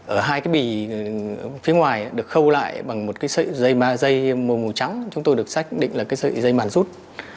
ở hai cái bì phía ngoài được khâu lại bằng một cái dây màu trắng chúng tôi được xác định là cái dây màn rút